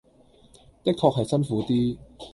的確係辛苦啲